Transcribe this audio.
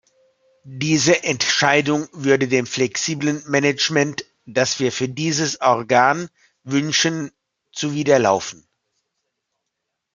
Diese Entscheidung würde dem flexiblen Management, das wir für dieses Organ wünschen, zuwiderlaufen.